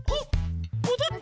もどった！